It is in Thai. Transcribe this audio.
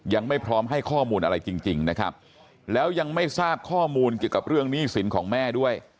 ยังไม่พร้อมให้ข้อมูลอะไรจริงนะครับแล้วยังไม่ทราบข้อมูลเกี่ยวกับเรื่องหนี้สินของแม่ด้วย